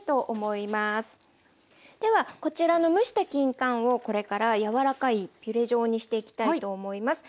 ではこちらの蒸したきんかんをこれから柔らかいピュレ状にしていきたいと思います。